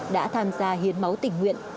đã tham gia hiến máu tình nguyện